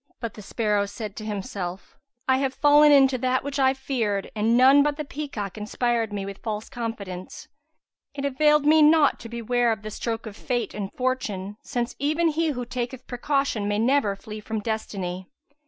But the sparrow said to himself, "I have fallen into that which I feared and none but the peacock inspired me with false confidence. It availed me naught to beware of the stroke of fate and fortune, since even he who taketh precaution may never flee from destiny.